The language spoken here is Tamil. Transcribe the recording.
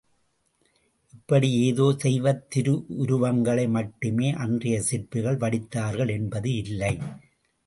இப்படி ஏதோ தெய்வத் திருவுருவங்களை மட்டுமே அன்றைய சிற்பிகள் வடித்தார்கள் என்பது இல்லை.